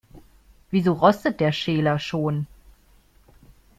Wieso rostet der Schäler schon?